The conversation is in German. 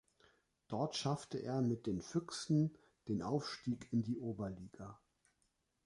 Dort schaffte er mit den Füchsen den Aufstieg in die Oberliga.